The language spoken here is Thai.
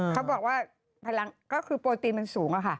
เขาบอกว่าพลังก็คือโปรตีนมันสูงอะค่ะ